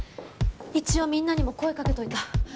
一応みんなにも声かけておいた。